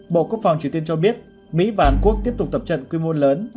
bộ quốc phòng triều tiên cho biết mỹ và hàn quốc tiếp tục tập trận quy mô lớn